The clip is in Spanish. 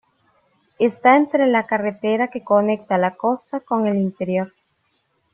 Está entre la carretera que conecta la costa con el interior.